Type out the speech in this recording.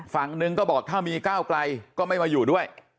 ฝั่งหนึ่งก็บอกถ้ามีก้าวไกลก็ไม่มาอยู่ด้วย